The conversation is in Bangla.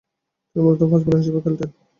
তিনি মূলতঃ ফাস্ট বোলার হিসেবে খেলতেন।